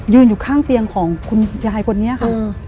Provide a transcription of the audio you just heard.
อยู่ข้างเตียงของคุณยายคนนี้ค่ะ